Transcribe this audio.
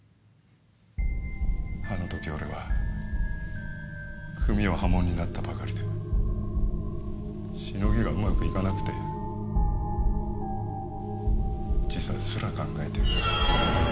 あの時俺は組を破門になったばかりでシノギがうまくいかなくて自殺すら考えて。